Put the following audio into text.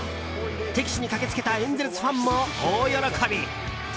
敵地に駆け付けたエンゼルスファンも大喜び。